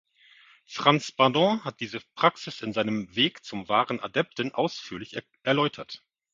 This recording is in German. Franz Bardon hat diese Praxis in seinem "Weg zum Wahren Adepten" ausführlich erläutert.